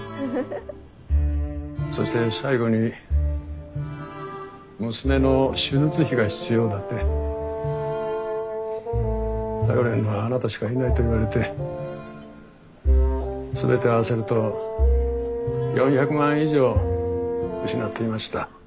そして最後に娘の手術費が必要だって頼れるのはあなたしかいないと言われて全て合わせると４００万以上失っていました。